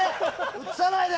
映さないで！